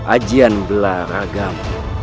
ajian belah ragam